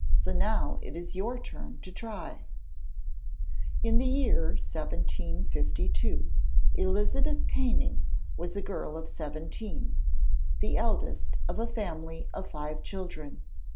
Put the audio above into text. So now it is your turn to try. In the year 1752 Elizabeth Canning was a girl of seventeen, the eldest of a family of five children.